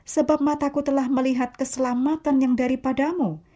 sebab mataku telah melihat keselamatanmu